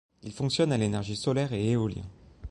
Il fonctionne à l'énergie solaire et éolien.